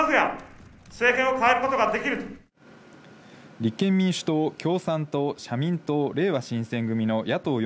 立憲民主党、共産党、社民党、れいわ新選組の野党４